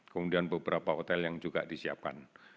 kemudian beberapa hotel yang juga disiapkan